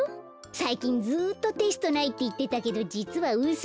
さいきんずっとテストないっていってたけどじつはうそでした。